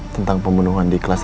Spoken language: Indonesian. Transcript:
tentang pembunuhan di kelas